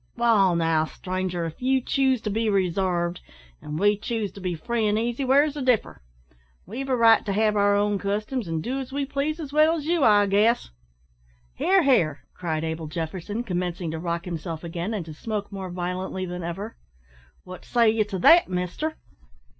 "Wall, now, stranger, if you choose to be resarved, and we choose to be free an' easy, where's the differ? We've a right to have our own customs, and do as we please as well as you, I guess." "Hear, hear!" cried Abel Jefferson, commencing to rock himself again, and to smoke more violently than ever. "What say ye to that, mister?"